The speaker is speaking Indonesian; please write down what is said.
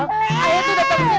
ayah tuh dateng ke sini